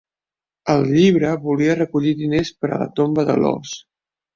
El llibre volia recollir diners per a la tomba de Loos.